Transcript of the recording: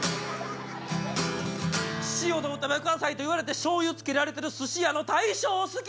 「塩でお食べくださいって言われてしょうゆつけられてるすし屋の大将好き」